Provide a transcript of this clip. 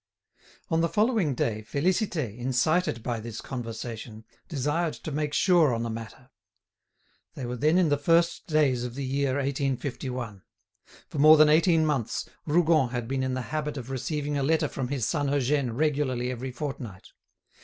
On the following day, Félicité, incited by this conversation, desired to make sure on the matter. They were then in the first days of the year 1851. For more than eighteen months, Rougon had been in the habit of receiving a letter from his son Eugène regularly every fortnight.